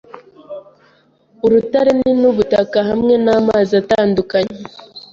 urutare ni nubutaka hamwe na mazi atandukanye